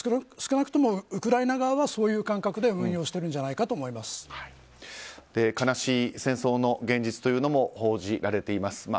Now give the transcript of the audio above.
少なくともウクライナ側はそういう感覚で運用してるんじゃないかと悲しい戦争の現実というのも報じられています。